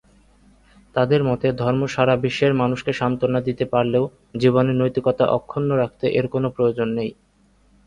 তাদের মতে, ধর্ম সারা বিশ্বের মানুষকে "সান্ত্বনা" দিতে পারলেও জীবনে নৈতিকতা অক্ষুণ্ণ রাখতে এর কোন প্রয়োজন নেই।